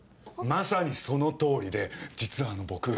まさにその通りで実は僕。